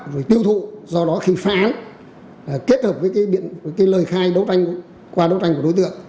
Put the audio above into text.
rồi tiêu thụ do đó khi phá án kết hợp với lời khai qua đấu tranh của đối tượng